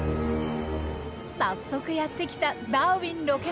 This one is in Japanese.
早速やって来たダーウィンロケ隊。